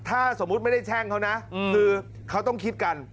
ถ้าสมมุติไม่ได้แช่งเขานะคือเขาต้องคิดกัน